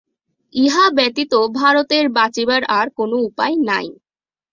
ইহা ব্যতীত ভারতের বাঁচিবার আর অন্য উপায় নাই।